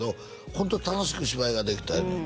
ホント楽しく芝居ができた言うねん